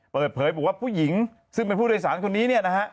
เปิดเผยบอกว่าผู้หญิงซึ่งเป็นผู้โดยสารทุนนี้